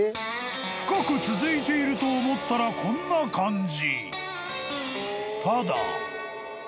［深く続いていると思ったらこんな感じ］